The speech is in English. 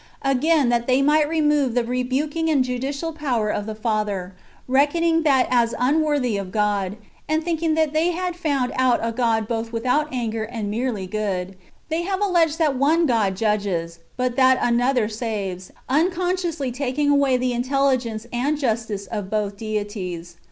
Again, that they might remove the rebuking and judi cial power from the Father, reckoning that as unworthy of God, and thinking that they had found out a God both without anger and [merely] good, they have alleged that one [God] judges, but that another saves, unconsciously taking away the intelligence and justice of both deities.